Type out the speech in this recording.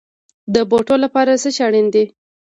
د بوټو لپاره څه شی اړین دی؟